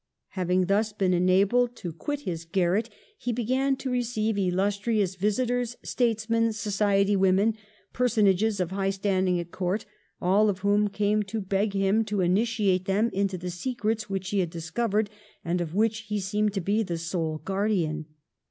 Having thus been enabled to ON THE ROAD TO FAME 69 quit his garret, he began to receive illustrious visitors, statesmen, society women, personages of high standing at court, all of whom came to beg him to initiate them into the secrets which he had discovered, and of which he seemed to be the sole guardian.